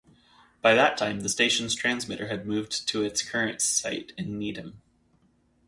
By that time, the station's transmitter had moved to its current site in Needham.